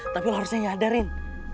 tapi lo harusnya nyadarin